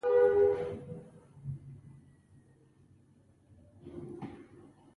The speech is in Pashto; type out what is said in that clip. د افغان کرېکټ چارو کارپوهان وايي